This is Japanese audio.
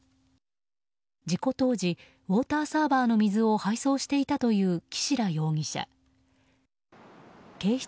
事故当時ウォーターサーバーの水を配送していたという岸良容疑者。